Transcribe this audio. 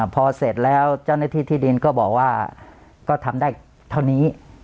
พอเสร็จแล้วเจ้าหน้าที่ที่ดินก็บอกว่าก็ทำได้เท่านี้